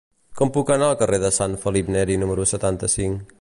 Com puc anar al carrer de Sant Felip Neri número setanta-cinc?